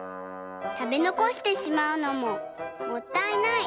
たべのこしてしまうのももったいない。